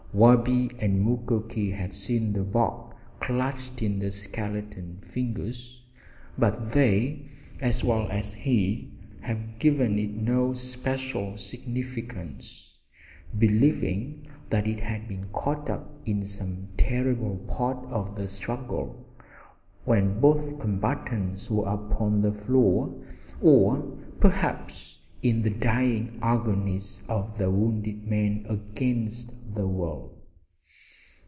Wabi and Mukoki had seen the bark clutched in the skeleton fingers, but they as well as he had given it no special significance, believing that it had been caught up in some terrible part of the struggle when both combatants were upon the floor, or perhaps in the dying agonies of the wounded man against the wall.